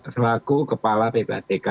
selaku kepala ppatk